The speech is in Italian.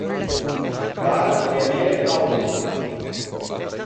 Dar le mele a uno.